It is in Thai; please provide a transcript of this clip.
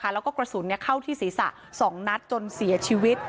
แล้วก็กระสุนเข้าที่ศีรษะ๒นัดจนเสียชีวิต